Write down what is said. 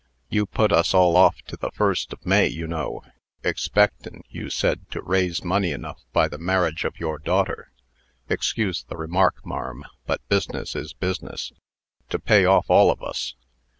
You put us all off to the 1st of May, you know, expecting you said, to raise money enough by the marriage of your daughter (excuse the remark, marm, but business is business) to pay off all of us.